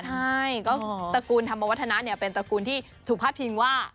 ใช่ก็ตระกูลธรรมวัฒนะเป็นตระกูลที่ถูกพาดพิงว่า